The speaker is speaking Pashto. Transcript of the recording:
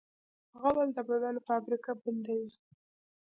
غول د بدن فابریکه بندوي.